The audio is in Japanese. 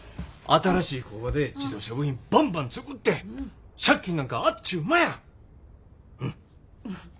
新しい工場で自動車部品バンバン作って借金なんかあっちゅう間や。